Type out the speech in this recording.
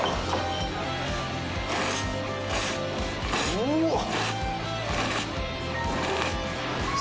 うわっ！